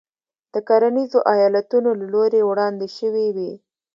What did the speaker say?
د کرنیزو ایالتونو له لوري وړاندې شوې وې.